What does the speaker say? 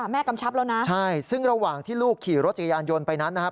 กำชับแล้วนะใช่ซึ่งระหว่างที่ลูกขี่รถจักรยานยนต์ไปนั้นนะครับ